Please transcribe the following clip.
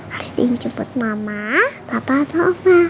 harus diinjeput mama papa atau oma